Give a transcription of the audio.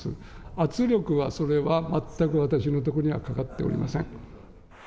圧力はそれは全く私の所にはかかっておりません。